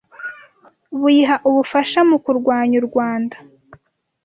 buyiha ubufasha mu kurwanya u Rwanda